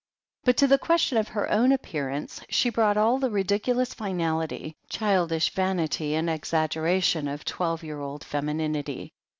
But to the question of her own appearance, she brought all the ridiculous finality, childish Vanity and exaggeration, of twelve year old femininity.